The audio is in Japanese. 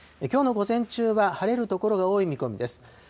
きょうの午前中は晴れる所が多い見込みです。